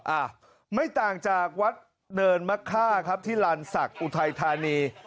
อ่ะไม่ต่างจากวัดเนินมะค่าครับที่ลานศักดิ์อุทัยธานี